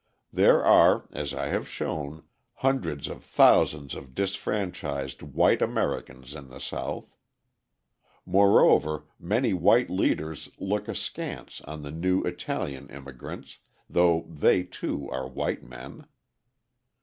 There are, as I have shown, hundreds of thousands of disfranchised white Americans in the South. Moreover many white leaders look askance on the new Italian immigrants, though they, too, are white men.